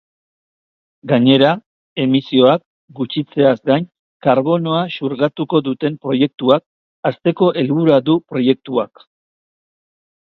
Gainera, emisioak gutxitzeaz gain karbonoa xurgatuko duten proiektuak hasteko helburua du proiektuak.